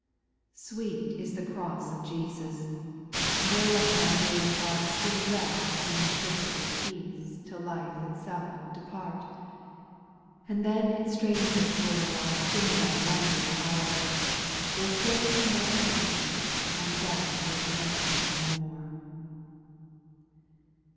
4. Sweet is the cross of Jesus ! There let my weary heart Still rest in perfect peace Till life itself depart. And then in strains of glory I '11 sing Thy wond'rous power, Where sin can never enter, And death is known no more.